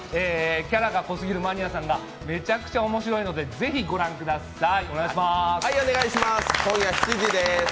キャラが濃すぎるマニアさんがめちゃくちゃ面白いのでぜひご覧ください。